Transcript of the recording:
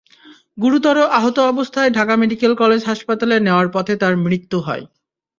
গুরুতর আহত অবস্থায় ঢাকা মেডিকেল কলেজ হাসপাতালে নেওয়ার পথে তাঁর মৃত্যু হয়।